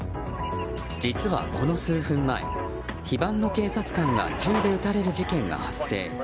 実はこの数分前非番の警察官が銃で撃たれる事件が発生。